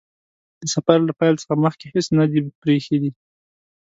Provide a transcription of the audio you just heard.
د سفر له پیل څخه مخکې هیڅ نه دي پرې ايښي.